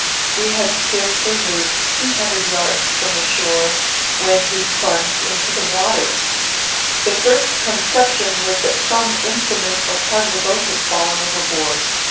We had scarcely moved two hundred yards from the shore, when he plunged into the water. The first conception was that some implement or part of the boat had fallen over board.